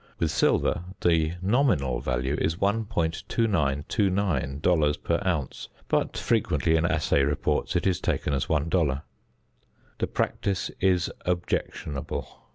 With silver, the nominal value is 1.2929 dollars per ounce, but frequently in assay reports it is taken as one dollar. The practice is objectionable.